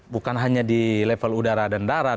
bukan hanya di level udara dan darat